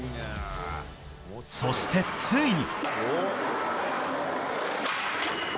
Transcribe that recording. そして、ついに。